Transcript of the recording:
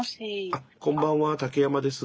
あっこんばんは竹山です。